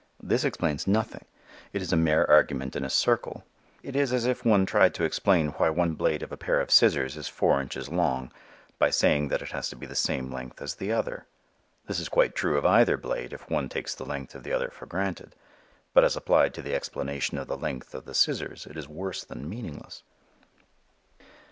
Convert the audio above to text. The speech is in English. This explains nothing. It is a mere argument in a circle. It is as if one tried to explain why one blade of a pair of scissors is four inches long by saying that it has to be the same length as the other. This is quite true of either blade if one takes the length of the other for granted, but as applied to the explanation of the length of the scissors it is worse than meaningless.